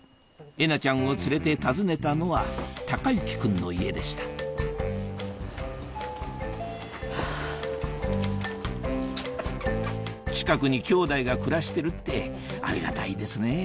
えなちゃんを連れて訪ねたのは孝之君の家でした近くにきょうだいが暮らしてるってありがたいですねぇ